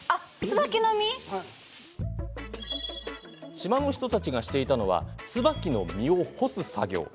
島の人たちがしていたのはツバキの実を干す作業。